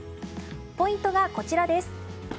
ポイントがこちらです。